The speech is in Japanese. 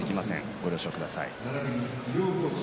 ご了承ください。